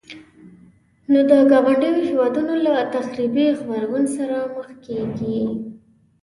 نو د ګاونډيو هيوادونو له تخريبي غبرګون سره مخ کيږي.